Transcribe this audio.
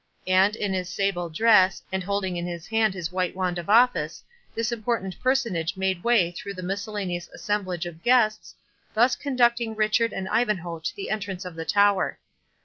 And in his sable dress, and holding in his hand his white wand of office, this important personage made way through the miscellaneous assemblage of guests, thus conducting Richard and Ivanhoe to the entrance of the tower.